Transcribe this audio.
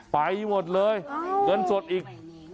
ไปหมดเลยเงินสดอีก